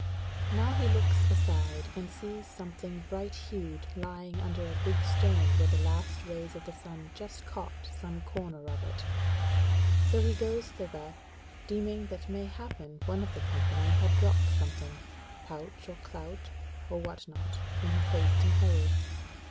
Now he looks aside, and sees something bright hued lying under a big stone where the last rays of the sun just caught some corner of it. So he goes thither, deeming that mayhappen one of the company had dropped something, pouch or clout, or what not, in his haste and hurry.